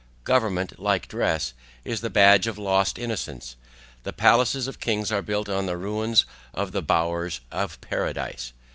Government, like dress, is the badge of lost innocence; the palaces of kings are built on the ruins of the bowers of paradise.